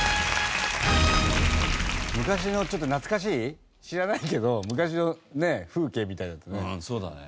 昔のちょっと懐かしい知らないけど昔の風景みたいだったね。